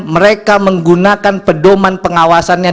mereka menggunakan pedoman pengawasannya